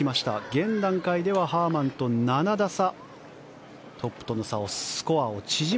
現段階ではハーマンと７打差。